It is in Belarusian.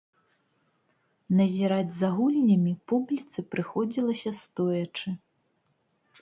Назіраць за гульнямі публіцы прыходзілася стоячы.